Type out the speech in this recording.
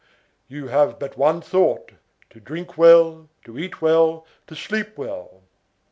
You have but one thought, to drink well, to eat well, to sleep well.